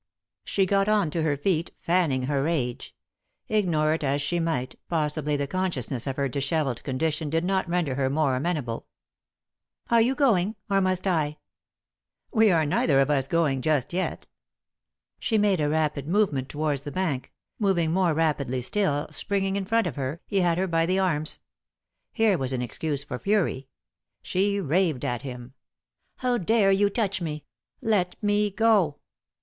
She got on to her feet, fanning her rage ; ignore it as she might, possibly the consciousness of her dishevelled condition did not reader her more amen able. " Are you going ?— or must If" " We are neither of us going, just yet." She made a rapid movement towards the bank ; moving more rapidly still, springing in front of her, he had her by the arms. Here was an excuse for fury. She raved at him. " How dare you touch me ? Let me go."